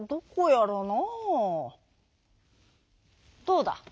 どうだ。